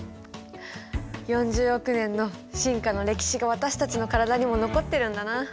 ４０億年の進化の歴史が私たちの体にも残ってるんだな。